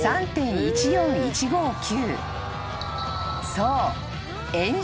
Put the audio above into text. ［そう］